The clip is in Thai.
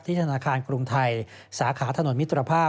ธนาคารกรุงไทยสาขาถนนมิตรภาพ